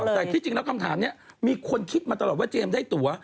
แต่ที่จริงแล้วคำถามนี้มีคนคิดมาตลอดว่าเจมส์ได้ตัว